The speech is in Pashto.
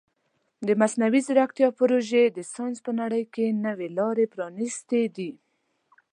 د مصنوعي ځیرکتیا پروژې د ساینس په نړۍ کې نوې لارې پرانیستې دي.